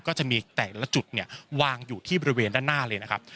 ก็จะมีแต่ละจุดเนี่ยวางอยู่ที่บริเวณด้านหน้าเลยนะครับ